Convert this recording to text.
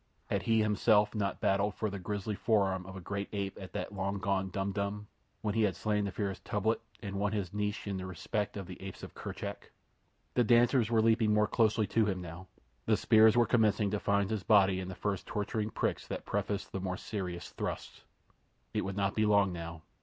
Had he not himself battled for the grisly forearm of a great ape at that long gone Dum Dum, when he had slain the fierce Tublat and won his niche in the respect of the Apes of Kerchak? The dancers were leaping more closely to him now. The spears were commencing to find his body in the first torturing pricks that prefaced the more serious thrusts. It would not be long now.